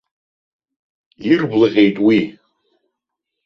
Ирблаҟьеит уи.